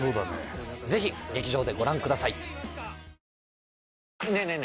ぜひ劇場でご覧くださいねえねえ